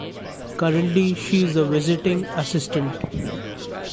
Currently she is a Visiting Asst.